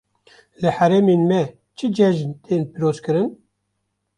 Li herêmên me çi cejn tên pîrozkirin?